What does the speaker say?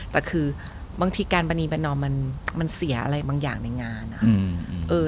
แต่คือบางทีการประนีประนอมมันเสียอะไรบางอย่างในงานนะครับ